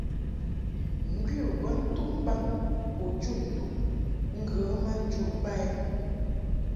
Ŋgwi u bə ntum baŋ u jun nduʼ ŋgə ma njuʼ ba i.